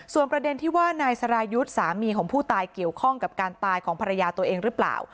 ส่วนประเด็นที่ว่านายสรายุทธ์สามีของผู้ตายเกี่ยวข้องกับการตายของภรรยาตัวเองหรือเปล่า